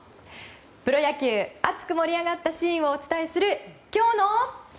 プロ野球、熱く盛り上がったシーンをお伝えする今日の。